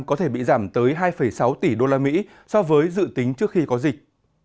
có thể bị giảm tới hai sáu tỷ usd so với dự tính trước khi có dịch